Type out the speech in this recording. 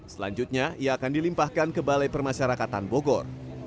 selanjutnya ia akan dilimpahkan ke balai permasyarakatan bogor